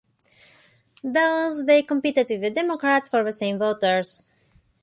Thus they competed with the Democrats for the same voters.